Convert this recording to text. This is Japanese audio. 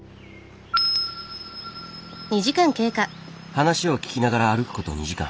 話を聞きながら歩くこと２時間。